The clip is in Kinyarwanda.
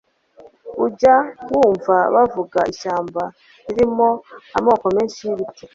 ujya wumva bavuga ishyamba ririmo amoko menshi y'ibiti,